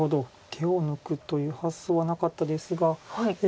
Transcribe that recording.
手を抜くという発想はなかったですが。